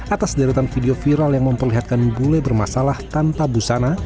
atas deretan video viral yang memperlihatkan bule bermasalah tanpa busana